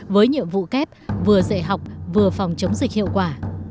với nhiệm vụ kép vừa dạy học vừa phòng chống dịch hiệu quả